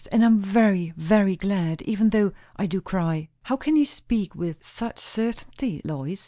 And I am very, very glad! even though I do cry." "How can you speak with such certain'ty, Lois?